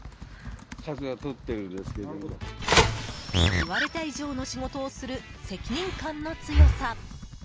言われた以上の仕事をする責任感の強さ。